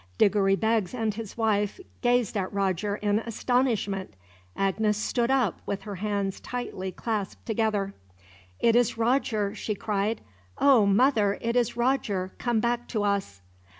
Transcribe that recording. Diggory Beggs and his wife gazed at Roger in astonishment. Agnes stood up, with her hands tightly clasped together. "It is Roger," she cried. "Oh, mother! It is Roger, come back to us."